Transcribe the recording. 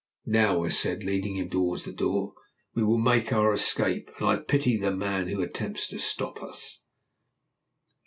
"Now," I said, leading him towards the door, "we will make our escape, and I pity the man who attempts to stop us."